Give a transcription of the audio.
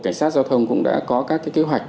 cảnh sát giao thông cũng đã có các kế hoạch